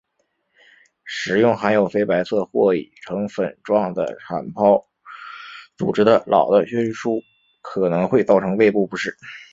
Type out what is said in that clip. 食用含有非白色或已成粉状的产孢组织的老的菌株可能会造成胃部不适。